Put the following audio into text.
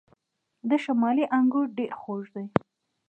د شمالی انګور ډیر خوږ دي.